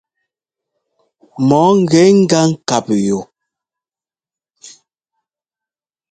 Mɔ ńgɛ gá ŋ́kap yu.